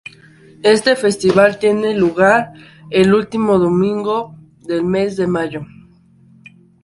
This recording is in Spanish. Este festival tiene lugar el último domingo del mes de mayo.